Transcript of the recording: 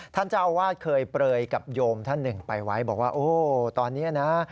ท่านเจ้าอาวาสเคยเปลยกับโยมท่านหนึ่งไปไว้บอกว่าโอ้ตอนนี้นะ